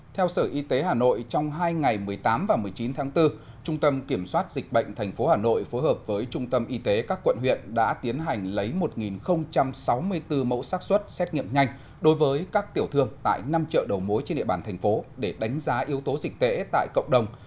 theo sở y tế hà nội trong hai ngày một mươi tám và một mươi chín tháng bốn trung tâm kiểm soát dịch bệnh tp hà nội phối hợp với trung tâm y tế các quận huyện đã tiến hành lấy một sáu mươi bốn mẫu xác xuất xét nghiệm nhanh đối với các tiểu thương tại năm chợ đầu mối trên địa bàn thành phố để đánh giá yếu tố dịch tễ tại cộng đồng